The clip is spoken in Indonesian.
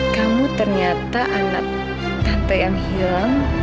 kamu ternyata anak tante yang hilang